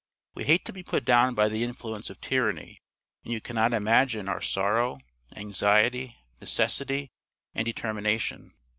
We hate to be put down by the influence of tyranny, and you cannot imagine our sorrow, anxiety, necessity and determination."